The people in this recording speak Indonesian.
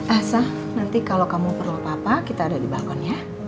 ahsa nanti kalau kamu perlu apa apa kita ada di balkon ya